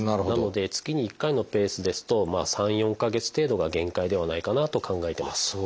なので月に１回のペースですと３４か月程度が限界ではないかなと考えてます。